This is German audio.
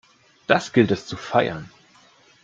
Das gilt es zu feiern!